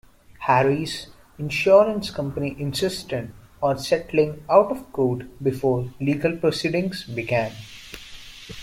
Harris' insurance company insisted on settling out of court before legal proceedings began.